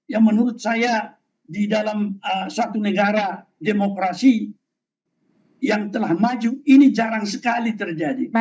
yang menurut saya di dalam satu negara demokrasi yang telah maju ini jarang sekali terjadi